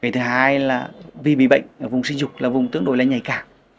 thứ hai là vì bị bệnh ở vùng sinh dục là vùng tương đối là nhảy cảng